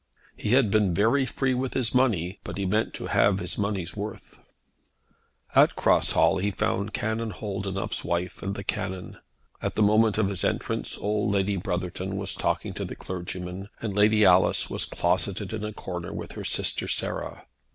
He had been very free with his money, but he meant to have his money's worth. At Cross Hall he found Canon Holdenough's wife and the Canon. At the moment of his entrance old Lady Brotherton was talking to the clergyman, and Lady Alice was closeted in a corner with her sister Sarah.